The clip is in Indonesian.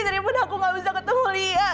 daripada aku gak bisa ketemu lia